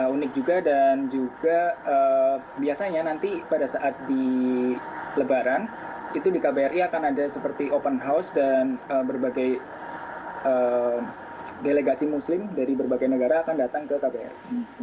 unik juga dan juga biasanya nanti pada saat di lebaran itu di kbri akan ada seperti open house dan berbagai delegasi muslim dari berbagai negara akan datang ke kbri